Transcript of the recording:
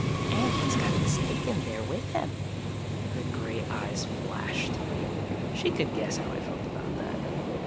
"And he's got the snake in there with him." Her gray eyes flashed. She could guess how I felt about that.